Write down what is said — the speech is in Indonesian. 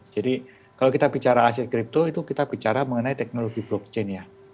jadi kalau kita bicara aset kripto itu kita bicara mengenai teknologi blockchain nya